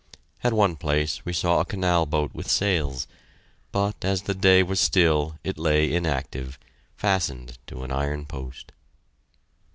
At one place we saw a canal boat with sails, but as the day was still it lay inactive, fastened to an iron post.